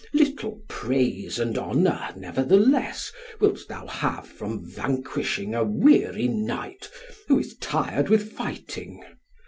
Little praise and honour, nevertheless, wilt thou have from vanquishing a weary knight, who is tired with fighting.